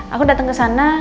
aku dateng kesana